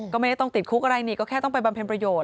ก็ไม่ได้ต้องติดคุกอะไรนี่ก็แค่ต้องไปบำเพ็ญประโยชน